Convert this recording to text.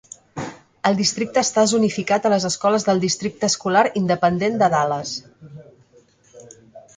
El districte està zonificat a les escoles del districte escolar independent de Dallas.